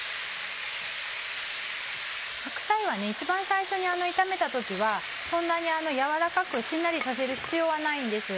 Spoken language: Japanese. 白菜は一番最初に炒めた時はそんなに軟らかくしんなりさせる必要はないんです。